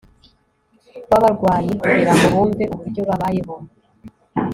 wabarwayi kugira ngo bumve uburyo babayeho